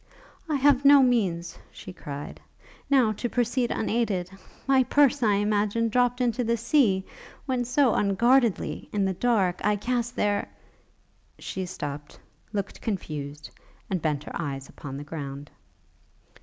'I have no means,' she cried, 'now, to proceed unaided; my purse, I imagine, dropt into the sea, when, so unguardedly! in the dark, I cast there ' She stopt, looked confused, and bent her eyes upon the ground.